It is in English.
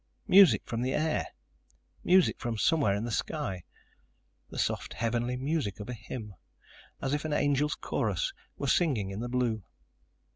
Music from the air. Music from somewhere in the sky. The soft, heavenly music of a hymn. As if an angels' chorus were singing in the blue.